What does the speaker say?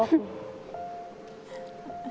โอ้โฮขอบคุณ